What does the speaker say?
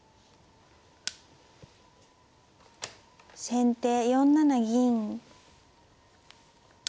先手４七銀。